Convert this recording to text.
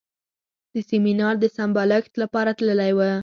د سیمینار د سمبالښت لپاره تللی و.